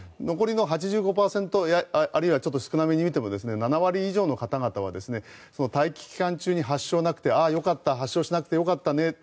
残りの８５％あるいはちょっと少なめに見ても７割以上の方々は待機期間中に発症しなくてああ、よかった発症しなくてよかったね